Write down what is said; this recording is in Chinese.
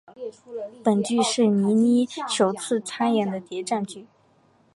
本剧是闫妮首次参演的谍战剧。